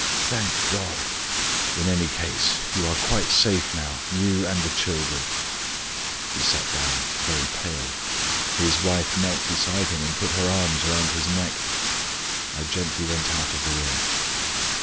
"Thank God! In any case, you are quite safe now you and the children!" He sat down, very pale. His wife knelt beside him, and put her arms around his neck I quietly went out of the room.